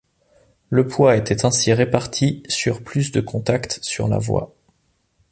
Le poids était ainsi réparti sur plus de contacts sur la voie.